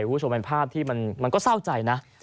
คุณผู้ชมเป็นภาพที่มันก็เศร้าใจนะ